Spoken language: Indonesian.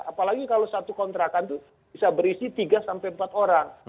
apalagi kalau satu kontrakan itu bisa berisi tiga sampai empat orang